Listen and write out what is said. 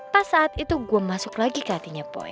pas saat itu gue masuk lagi ke hatinya poi